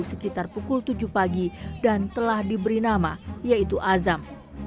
sekitar pukul tujuh pagi dan telah diberi nama yaitu azam